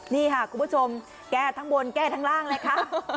นี่ค่ะคุณผู้ชมแก้ทั้งบนแก้ทั้งล่างเลยค่ะ